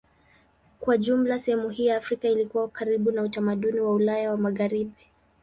Kwa jumla sehemu hii ya Afrika ilikuwa karibu na utamaduni wa Ulaya ya Magharibi.